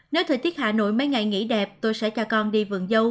nếu thời tiết hà nội mấy ngày nghỉ đẹp tôi sẽ cho con đi vườn dâu